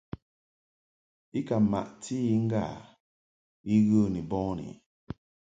I ka maʼti i ŋgâ I ghə ni bɔni.